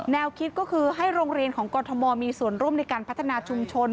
แนวคิดก็คือให้โรงเรียนของกรทมมีส่วนร่วมในการพัฒนาชุมชน